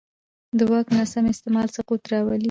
د واک ناسم استعمال سقوط راولي